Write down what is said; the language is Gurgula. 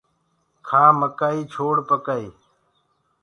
کآ مڪآئي ڇوڙ پڪآئي